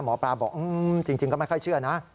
หมอปลาบอกจริงก็ไม่ค่อยเชื่อนะ